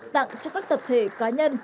tặng cho các tập thể cá nhân